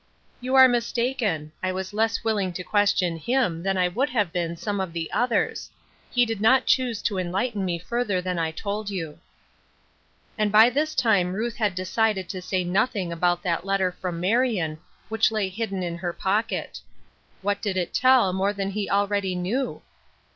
" You are mistaken ; I was less willing to ques tion him than I would have been some of the others ; and he did not choose to enlighten me further than I told you." 202 A PLAIN UNDERSTANDING. And by this time Ruth had decided to say nothing about that letter from Marion, which lay hidden in her pocket. What did it tell, more than he already knew